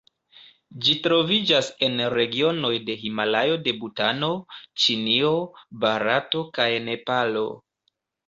Ĝi troviĝas en regionoj de Himalajo de Butano, Ĉinio, Barato kaj Nepalo.